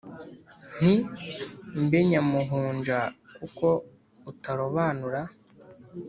Nti: “Mbe nyamuhunja ko utarobanura?